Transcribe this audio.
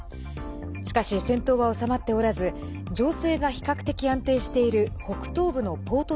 しかし、戦闘は収まっておらず情勢が比較的安定している北東部のポート